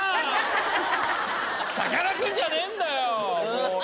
さかなクンじゃねえんだよ！